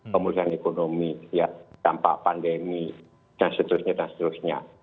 kemudian ekonomi dampak pandemi dan seterusnya dan seterusnya